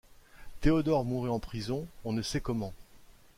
Théodore mourut en prison, on ne sait comment.